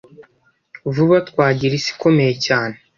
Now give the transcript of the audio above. vuba twagira isi ikomeye cyane